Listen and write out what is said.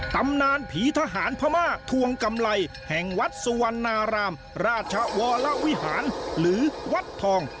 ตำนานผีทหารพม่าทวงกำไรแห่งวัดสุวรรณารามราชวรวิหารหรือวัดทอง